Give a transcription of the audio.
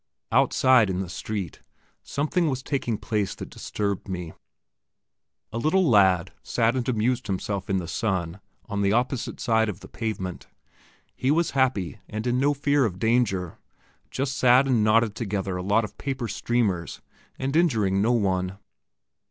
Outside in the street, something was taking place that disturbed me. A little lad sat and amused himself in the sun on the opposite side of the pavement. He was happy and in fear of no danger just sat and knotted together a lot of paper streamers, and injuring no one.